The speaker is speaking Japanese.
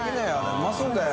うまそうだよ。